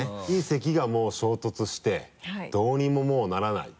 隕石がもう衝突してどうにももうならない。